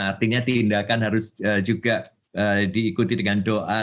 artinya tindakan harus juga diikuti dengan doa